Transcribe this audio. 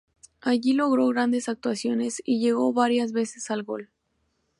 Allí logró grandes actuaciones y llegó varias veces al Gol.